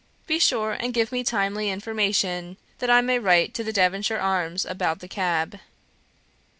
Be sure and give me timely information, that I may write to the Devonshire Arms about the cab.